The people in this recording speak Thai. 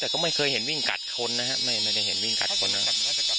แต่ก็ไม่เคยเห็นวิ่งกัดคนนะฮะไม่ได้เห็นวิ่งกัดคนนะครับ